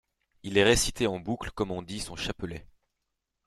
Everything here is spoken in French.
Il les récitait en boucle comme on dit son chapelet.